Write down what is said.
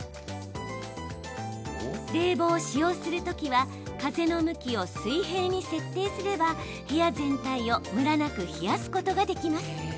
冷房を使用するときは風の向きを水平に設定すれば部屋全体をムラなく冷やすことができます。